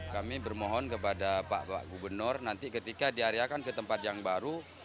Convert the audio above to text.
kami bermohon kepada pak gubernur nanti ketika diariakan ke tempat yang baru